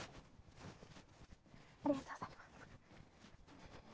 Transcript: ありがとうございます。